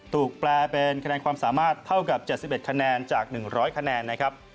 แปลเป็นคะแนนความสามารถเท่ากับ๗๑คะแนนจาก๑๐๐คะแนนนะครับ